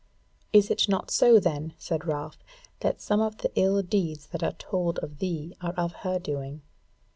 "Is it not so then," said Ralph, "that some of the ill deeds that are told of thee are of her doing?"